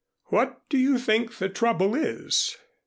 What do you think the trouble is?"